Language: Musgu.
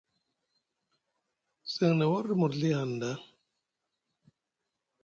Seŋ na warɗi murzɵi hanɗa.